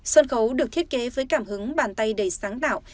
sân khấu được thiết kế với cảm hứng bàn tay đầy sáng tạo